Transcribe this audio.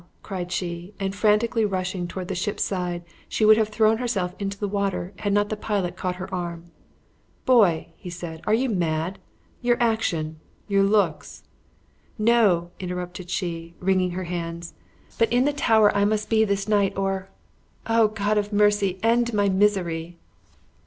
cried she, and frantically rushing toward the ship's side, she would have thrown herself into the water, had not the pilot caught her arm. "Boy!" said he, "are you mad? your action, your looks " "No," interrupted she, wringing her hands; "but in the Tower I must be this night, or Oh! God of mercy, end my misery!"